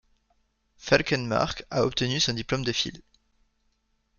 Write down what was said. Falkenmark a obtenu son diplôme de Fil.